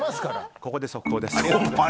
ここで速報です。